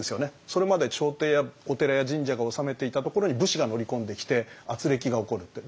それまで朝廷やお寺や神社が治めていたところに武士が乗り込んできてあつれきが起こるって。